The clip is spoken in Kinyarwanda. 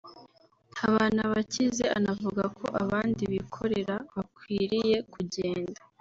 Habanabakize anavuga ko abandi bikorera bakwiriye kugenda